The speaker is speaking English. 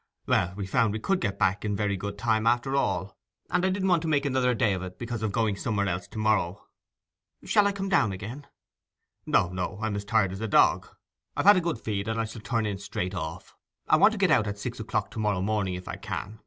'Well, we found we could get back in very good time after all, and I didn't want to make another day of it, because of going somewhere else to morrow.' 'Shall I come down again?' 'O no. I'm as tired as a dog. I've had a good feed, and I shall turn in straight off. I want to get out at six o'clock to morrow if I can